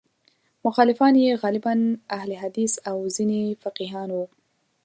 مخالفان یې غالباً اهل حدیث او ځینې فقیهان وو.